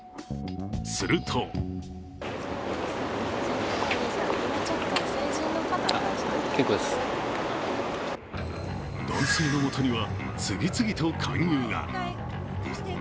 すると男性のもとには次々と勧誘が。